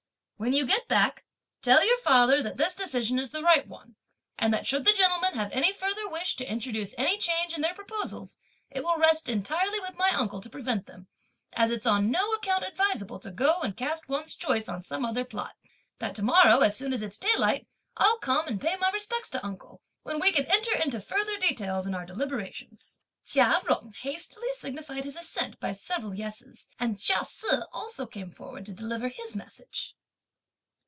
When you get back, tell your father that this decision is the right one, and that should the gentlemen have any further wish to introduce any change in their proposals, it will rest entirely with my uncle to prevent them, as it's on no account advisable to go and cast one's choice on some other plot; that to morrow as soon as it's daylight, I'll come and pay my respects to uncle, when we can enter into further details in our deliberations!" Chia Jung hastily signified his assent by several yes's, and Chia Se also came forward to deliver his message.